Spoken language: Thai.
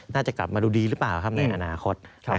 น่าจะกลับมาดูดีหรือเปล่าครับในอนาคต